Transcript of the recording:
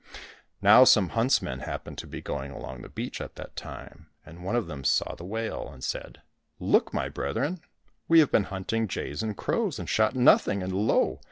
Now some huntsmen happened to be going along the beach at that time, and one of them saw the whale, and said, " Look, my brethren ! we have been hunting jays and crows and shot nothing, and lo